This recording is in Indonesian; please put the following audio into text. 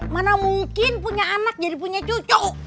mana mungkin punya anak jadi punya cucu